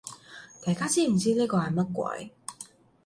大家知唔知呢個係乜鬼